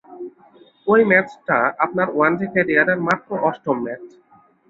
ওই ম্যাচটা আপনার ওয়ানডে ক্যারিয়ারের মাত্র অষ্টম ম্যাচ।